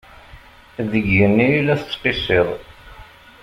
Deg igenni i la tettqissiḍ.